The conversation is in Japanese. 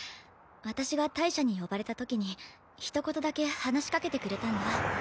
私が大赦に呼ばれたときにひと言だけ話しかけてくれたんだ。